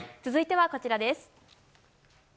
続いてはこちらです。